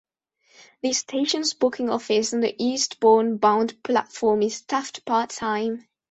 The station's booking office on the Eastbourne-bound platform is staffed part-time.